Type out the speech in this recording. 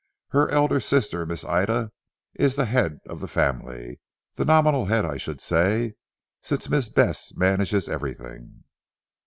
Her elder sister Miss Ida is the head of the family. The nominal head I should say, since Miss Bess manages everything."